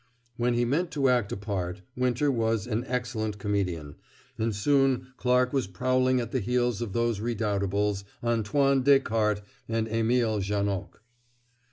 When he meant to act a part, Winter was an excellent comedian, and soon Clarke was prowling at the heels of those redoubtables, Antoine Descartes and Émile Janoc.